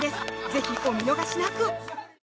ぜひお見逃しなく！